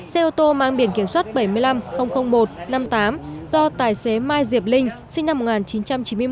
xe ô tô mang biển kiểm soát bảy mươi năm một trăm năm mươi tám do tài xế mai diệp linh sinh năm một nghìn chín trăm chín mươi một